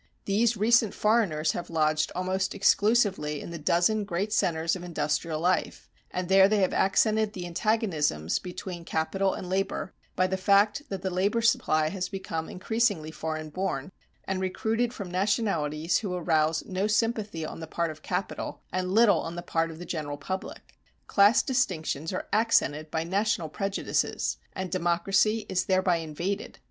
These recent foreigners have lodged almost exclusively in the dozen great centers of industrial life, and there they have accented the antagonisms between capital and labor by the fact that the labor supply has become increasingly foreign born, and recruited from nationalities who arouse no sympathy on the part of capital and little on the part of the general public. Class distinctions are accented by national prejudices, and democracy is thereby invaded.